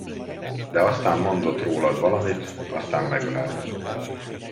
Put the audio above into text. De aztán mondott rólad valamit, aztán megölelt.